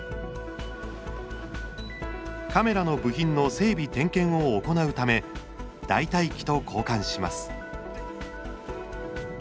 カメラの部品の整備点検を行うため代替機と交換します。